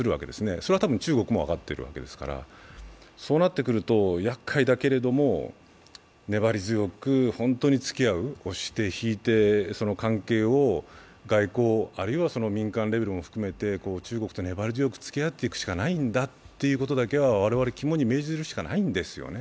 それは多分、中国も分かっているわけですからそうなってくるとやっかいだけれども粘り強くつき合う、押して引いて、その関係を外交あるいは民間レベルも含めて中国と粘り強くつきあっていくしかないんだということを我々、肝に銘ずるしかないんですよね。